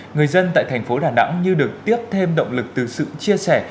người dân tại thành phố đà nẵng như được tiếp thêm động lực từ sự chia sẻ